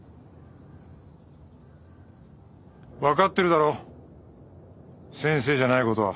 わかってるだろ先生じゃない事は。